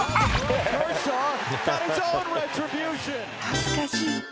［恥ずかしい。